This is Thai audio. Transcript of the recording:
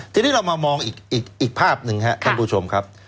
ทีนี้เรามามองอีกภาพหนึ่งครับท่านผู้ชมครับ